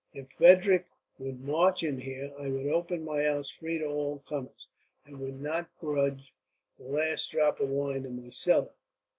If Frederick would march in here, I would open my house free to all comers, and would not grudge the last drop of wine in my cellar."